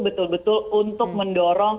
betul betul untuk mendorong